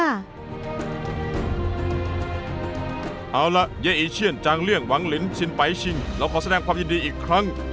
เราขอแสดงความยินดีอีกครั้ง